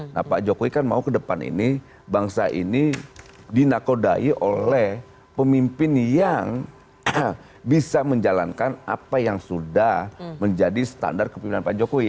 nah pak jokowi kan mau ke depan ini bangsa ini dinakodai oleh pemimpin yang bisa menjalankan apa yang sudah menjadi standar kepemimpinan pak jokowi